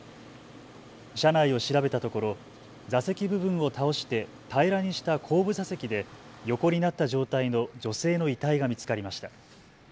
車内を調べたところ座席部分を倒して平らにした後部座席で横になった状態の女性の遺体が見つかりました。